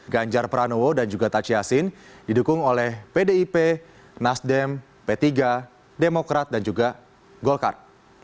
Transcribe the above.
ganjar pranowo dan juga taci yasin didukung oleh pdi perjalanan